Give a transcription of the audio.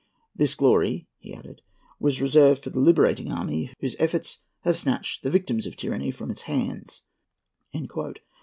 "This glory," he added, "was reserved for the Liberating Army, whose efforts have snatched the victims of tyranny from its hands."